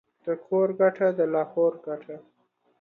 د کور گټه ، دلاهور گټه.